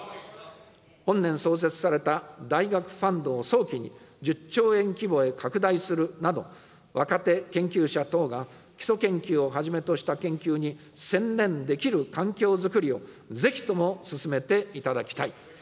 本年創設された大学ファンドを早期に１０兆円規模へ拡大するなど、若手研究者等が基礎研究をはじめとした研究に専念できる環境づくりを、ぜひとも進めていただきたい。